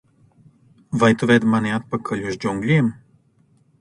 Vai tu ved mani atpakaļ uz Džungļiem?